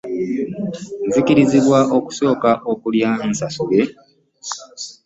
Nzikirizibwa okusooka okulya nsasule?